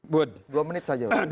buat dua menit saja